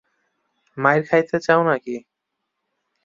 মাইর খাইতে চাও নাকি?